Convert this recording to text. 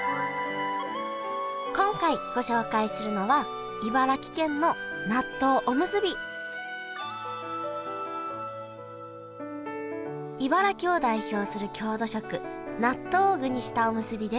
今回ご紹介するのは茨城を代表する郷土食納豆を具にしたおむすびです。